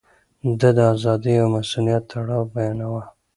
ده د ازادۍ او مسووليت تړاو بيانوه.